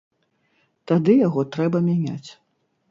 Тады яго трэба мяняць.